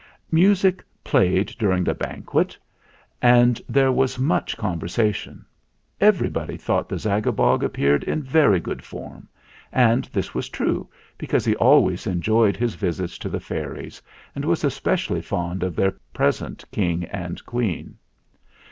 Music played during the banquet, and there THE ZAGABOG 117 was much conversation. Everybody thought the Zagabog appeared in very good form ; and this was true, because he always enjoyed his visits to the fairies, and was especially fond of their present King and Queen.